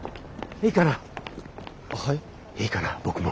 いいかな僕も。